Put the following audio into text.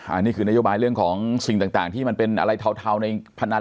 อันนี้คือนโยบายเรื่องของสิ่งต่างที่มันเป็นอะไรเทาในพนัน